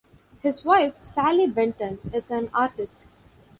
His wife, Sallie Benton, is an artist.